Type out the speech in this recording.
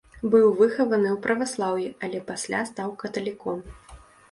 Быў выхаваны ў праваслаўі, але пасля стаў каталіком.